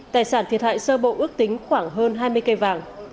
tài sản thiệt hại sơ bộ ước tính khoảng hơn hai mươi cây vàng